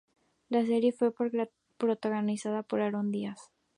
La serie fue protagonizada por Aarón Díaz.